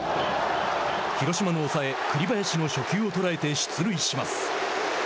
広島の抑え栗林の初球を捉えて出塁します。